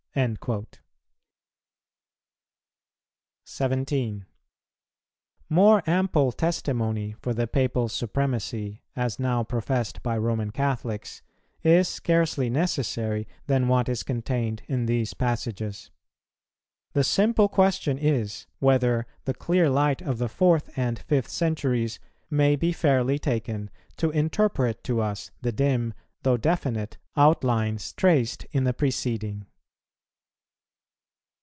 "[164:1] 17. More ample testimony for the Papal Supremacy, as now professed by Roman Catholics, is scarcely necessary than what is contained in these passages; the simple question is, whether the clear light of the fourth and fifth centuries may be fairly taken to interpret to us the dim, though definite, outlines traced in the preceding.